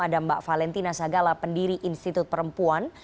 ada mbak valentina sagala pendiri institut perempuan